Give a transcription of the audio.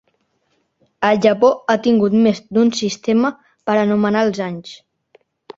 El Japó ha tingut més d'un sistema per anomenar els anys.